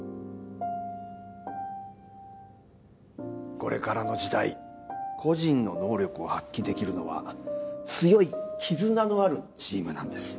これからの時代個人の能力を発揮できるのは強い絆のあるチームなんです。